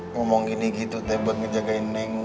ngomong gini gitu teh buat ngejagain neng